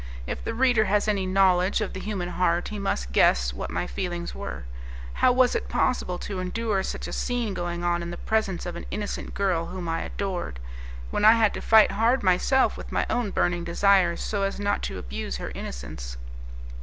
If the reader has any knowledge of the human heart, he must guess what my feelings were. How was it possible to endure such a scene going on in the presence of an innocent girl whom I adored, when I had to fight hard myself with my own burning desires so as not to abuse her innocence!